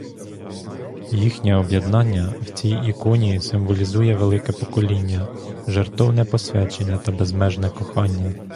Їхне об'єднання в цій іконі символізує велике покоління, жертовне посвячення та безмежне кохання.